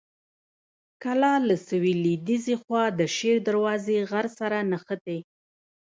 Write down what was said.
کلا له سویل لویديځې خوا د شیر دروازې غر سره نښتې.